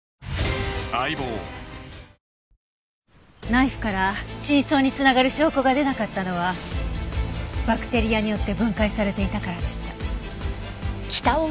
ナイフから真相に繋がる証拠が出なかったのはバクテリアによって分解されていたからでした。